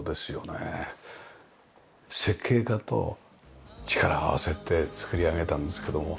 設計家と力を合わせて作り上げたんですけども。